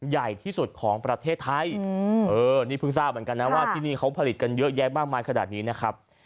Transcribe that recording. ใหญ่ที่สุดของประเทศไทยนี่เพิ่งทราบเหมือนกันนะว่าที่นี่เขาผลิตกันเยอะแยะมากมายขนาดนี้นะครับ